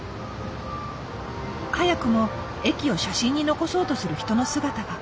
早くも駅を写真に残そうとする人の姿が。